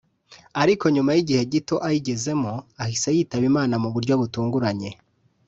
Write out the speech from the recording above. ariko nyuma y’igihe gito ayigezemo ahise yitaba Imana mu buryo butunguranye